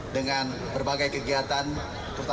dengan berbagai jenis kapal motor yang bisa digunakan